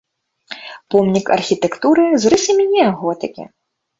Помнік архітэктуры з рысамі неаготыкі.